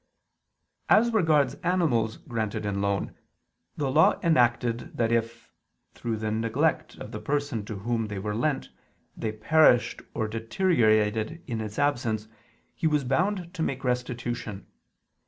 As regards animals granted in loan, the Law enacted that if, through the neglect of the person to whom they were lent, they perished or deteriorated in his absence, he was bound to make restitution.